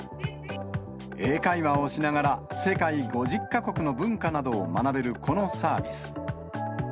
英会話をしながら、世界５０か国の文化などを学べるこのサービス。